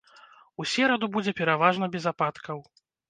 У сераду будзе пераважна без ападкаў.